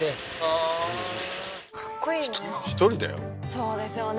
そうですよね